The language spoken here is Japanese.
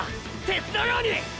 鉄のように！！